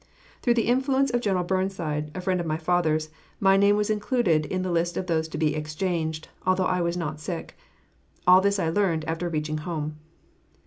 Through the influence of General Burnside, a friend of my father's, my name was included in the list of those to be exchanged, although I was not sick. All this I learned after reaching home.